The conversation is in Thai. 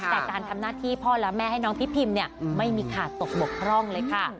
แต่การทำหน้าที่พ่อและแม่ให้น้องทิพิมเนี่ยไม่มีขาดตกบกพร่องเลยค่ะ